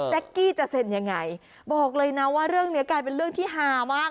กี้จะเซ็นยังไงบอกเลยนะว่าเรื่องนี้กลายเป็นเรื่องที่ฮามาก